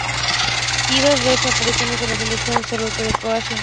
Hizo dos apariciones con la selección absoluta de Croacia.